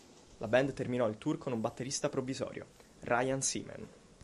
La band terminò il tour con un batterista provvisorio, Ryan Seaman.